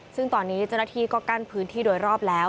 ซึ่งตอนนี้เจ้าหน้าที่ก็กั้นพื้นที่โดยรอบแล้ว